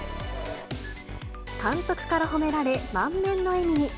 監督から褒められ、満面の笑みに。